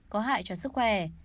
có hại cho sức khỏe